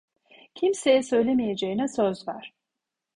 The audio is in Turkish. Kimseye söylemeyeceğine söz ver.